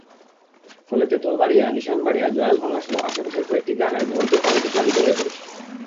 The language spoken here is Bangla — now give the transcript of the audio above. ফলে তেঁতুলবাড়িয়া, নিশানবাড়িয়া, জয়ালভাঙাসহ আশপাশের কয়েকটি গ্রামের ঘরদোর পানিতে প্লাবিত হয়ে পড়েছে।